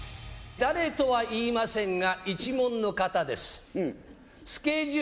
誰とは言いませんが、一門の方です。